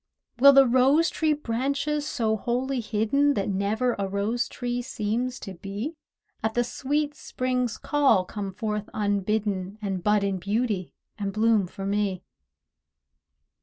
Will the rose tree branches, so wholly hidden That never a rose tree seems to be, At the sweet Spring's call come forth unbidden, And bud in beauty, and bloom for me?